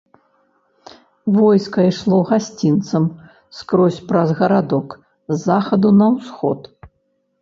Войска ішло гасцінцам скрозь праз гарадок, з захаду на усход.